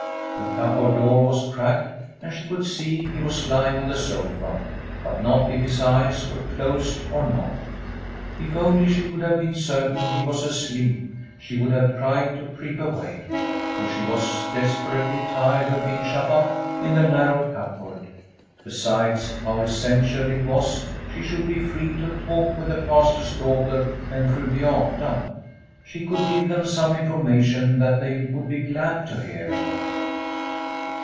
The cupboard door was cracked and she could see he was lying on the sofa, but not if his eyes were closed or not. If only she could have been certain he was asleep she would have tried to creep away, for she was desperately tired of being shut up in the narrow cupboard. Besides, how essential it was she should be free to talk with the Pastor's daughter and Fru Beata. She could give them some information that they would be glad to hear.